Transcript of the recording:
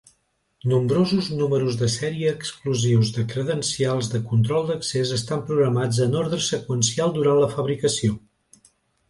Nombrosos números de sèrie exclusius de credencials de control d'accés estan programats en ordre seqüencial durant la fabricació.